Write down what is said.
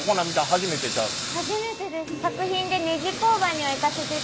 初めてです。